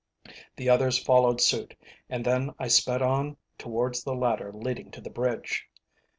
The others followed suit, and then I sped on towards the ladder leading to the bridge.